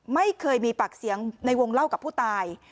ไม่เคยมีปากเสียงในวงเล่ากับผู้ตาย